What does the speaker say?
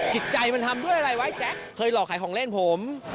จิตใจมันทำด้วยอะไรไว้แจ๊คเคยหลอกขายของเล่นผม